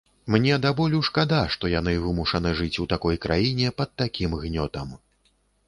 Мне да болю шкада, што яны вымушаны жыць у такой краіне, пад такім гнётам.